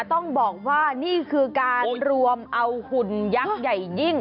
ต้องบอกว่านี่คือการรวมเอาหุ่นยักษ์ใหญ่ยิ่ง